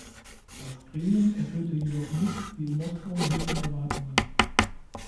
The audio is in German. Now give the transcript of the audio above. Das Gremium erfüllte jedoch nicht die in Moskau gehegten Erwartungen.